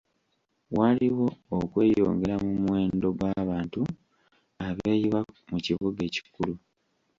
Waliwo okweyongera mu muwendo gw'abantu abeeyiwa mu kibuga ekikulu.